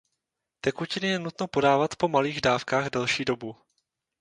Tekutiny je nutno podávat po malých dávkách delší dobu.